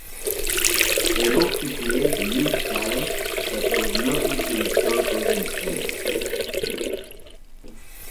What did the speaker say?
They hoped to create a new style that owed nothing to historical influence.